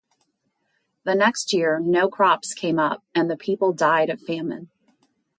The next year, no crops came up, and the people died of famine.